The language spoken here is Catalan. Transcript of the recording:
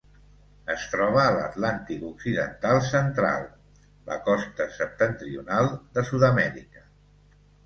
Es troba a l'Atlàntic occidental central: la costa septentrional de Sud-amèrica.